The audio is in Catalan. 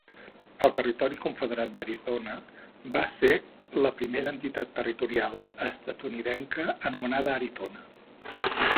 El Territori confederat d'Arizona va ser la primera entitat territorial estatunidenca anomenada Arizona.